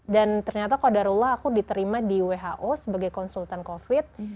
dan ternyata kodarullah aku diterima di who sebagai konsultan covid